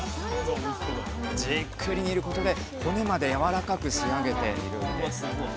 じっくり煮ることで骨までやわらかく仕上げているんです。